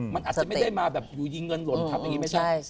มันอาจจะไม่ได้มาอยู่ดีเงินหล่นทับอย่างงี้